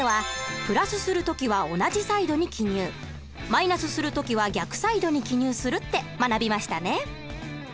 マイナスする時は逆サイドに記入するって学びましたね？